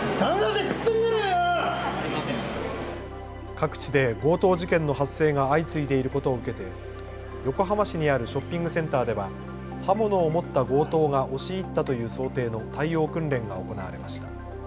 各地で強盗事件の発生が相次いでいることを受けて横浜市にあるショッピングセンターでは刃物を持った強盗が押し入ったという想定の対応訓練が行われました。